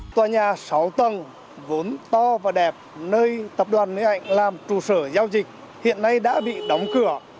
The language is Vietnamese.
tòa nhà sáu tầng vốn to và đẹp nơi tập đoàn nguyễn vũ trị làm trụ sở giao dịch hiện nay đã bị đóng cửa